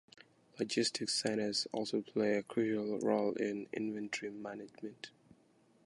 Logistics centers also play a crucial role in inventory management.